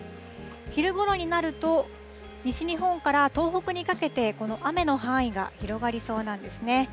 昼ごろになると、西日本から東北にかけて、雨の範囲が広がりそうなんですね。